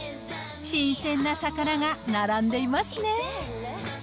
新鮮な魚が並んでいますね。